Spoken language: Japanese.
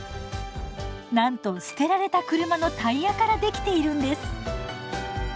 なんと捨てられた車のタイヤからできているんです！